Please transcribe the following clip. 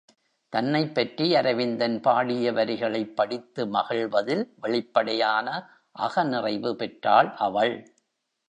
தன்னைப்பற்றி அரவிந்தன் பாடிய வரிகளைப் படித்து மகிழ்வதில் வெளிப்படையான அக நிறைவு பெற்றாள் அவள்.